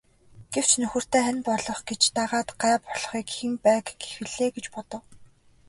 Гэвч нөхөртөө хань болох гэж дагаад гай болохыг хэн байг гэх билээ гэж бодов.